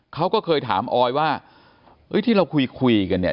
เขาก็เคยถามออยว่าที่เราคุยกันเนี่ย